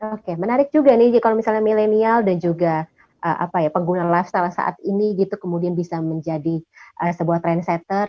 oke menarik juga nih kalau misalnya milenial dan juga pengguna lifestyle saat ini gitu kemudian bisa menjadi sebuah trendsetter